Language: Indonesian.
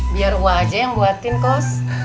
biar gue aja yang buatin kos